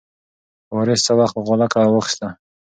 وارث څه وخت غولکه راواخیسته؟